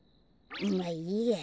まあいいや。